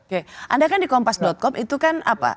oke anda kan di kompas com itu kan apa